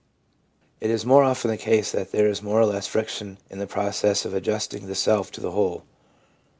It is more often the .case that there is more or less friction in the process of adjusting the self to the whole.